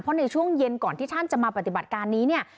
เพราะในช่วงเย็นก่อนที่ท่านจะมาปฏิบัติการนี้เนี่ย